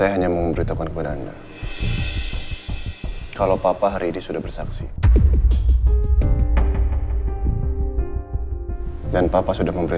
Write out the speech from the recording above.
harusnya papa lindungin aku sampai akhir